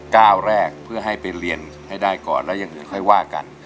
ก้าวแรกเพื่อให้ไปเรียนให้ได้ก่อนแล้วยังเดี๋ยวค่อยว่ากัน